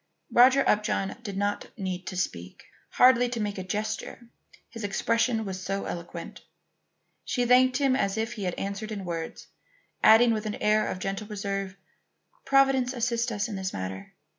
Roger Upjohn did not need to speak, hardly to make a gesture; his expression was so eloquent. She thanked him as if he had answered in words, adding with an air of gentle reserve: "Providence assists us in this matter.